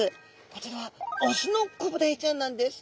こちらはオスのコブダイちゃんなんです。